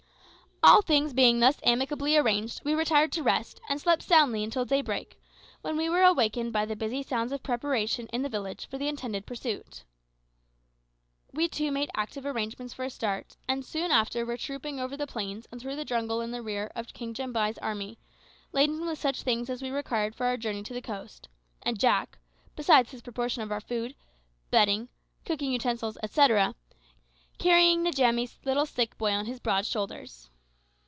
All things being thus amicably arranged, we retired to rest, and slept soundly until daybreak, when we were awakened by the busy sounds of preparation in the village for the intended pursuit. We, too, made active arrangements for a start, and soon after were trooping over the plains and through the jungle in the rear of King Jambai's army, laden with such things as we required for our journey to the coast, and Jack, besides his proportion of our food, bedding, cooking utensils, etcetera, carrying Njamie's little sick boy on his broad shoulders.